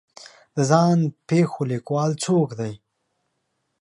د ځان پېښو لیکوال څوک دی